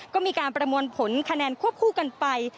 ก็มีการประมวลผลคะแนนควบคู่กันไป